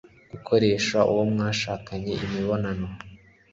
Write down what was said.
gukoresha uwo mwashakanye imibonano